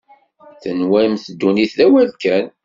Tenwamt ddunit d awal kan.